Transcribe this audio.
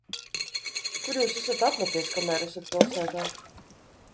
Kur jūs esat apmeties, kamēr esat pilsētā?